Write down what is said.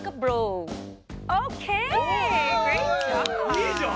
いいじゃん！